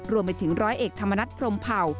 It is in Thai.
รวมไปถึงร้อยเอกธรรมนัฐพรมเผ่า